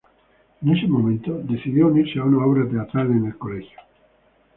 En ese momento decidió unirse a una obra teatral en el colegio.